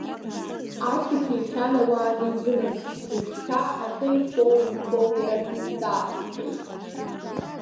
Ацә иҭихьан ауаа анизынасышьҭ, уажәшьҭа аҟьы ифоу, имфоу иара шәизҵаа, — сҳәеит.